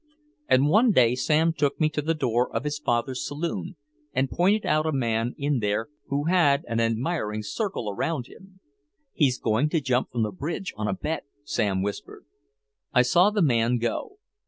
And one day Sam took me to the door of his father's saloon and pointed out a man in there who had an admiring circle around him. "He's going to jump from the Bridge on a bet," Sam whispered. I saw the man go.